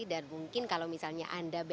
dan mungkin kalau misalnya anda berpikir